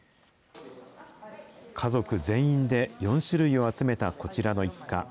家族全員で４種類を集めたこちらの一家。